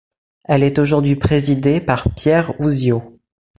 Elle est aujourd'hui présidée par Pierre Housieaux.